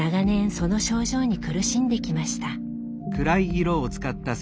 その症状に苦しんできました。